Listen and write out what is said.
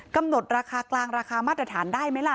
กำหนดราคากลางราคามาตรฐานได้ไหมล่ะ